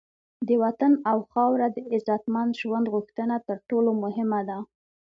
د وطن او خاوره د عزتمند ژوند غوښتنه تر ټولو مهمه ده.